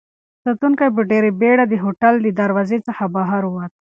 ساتونکی په ډېرې بېړه د هوټل له دروازې څخه بهر ووت.